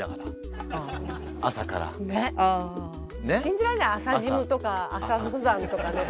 信じられない朝ジムとか朝登山とかね。